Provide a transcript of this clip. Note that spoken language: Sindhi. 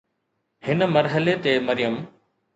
هن مرحلي تي مريم